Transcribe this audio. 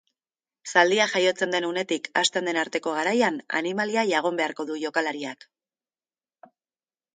Zaldia jaiotzen den unetik hasten den arteko garaian animalia jagon beharko du jokalariak.